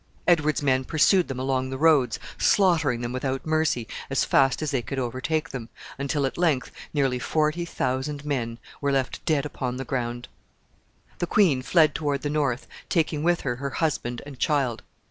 Edward's men pursued them along the roads, slaughtering them without mercy as fast as they could overtake them, until at length nearly forty thousand men were left dead upon the ground. The queen fled toward the north, taking with her her husband and child.